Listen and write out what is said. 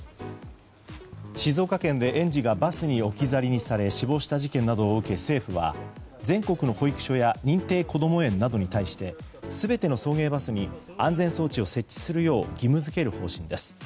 静岡県で園児がバスに置き去りにされ死亡した事件などを受け政府は全国の保育所や認定こども園などに対して全ての送迎バスに安全装置を設置するよう義務付ける方針です。